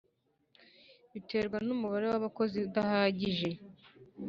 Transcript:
Biterwa n’umubare w’ abakozi udahagije